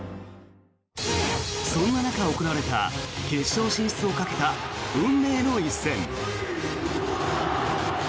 そんな中、行われた決勝進出をかけた運命の一戦。